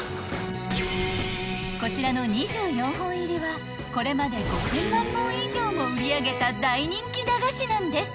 ［こちらの２４本入りはこれまで５，０００万本以上も売り上げた大人気駄菓子なんです］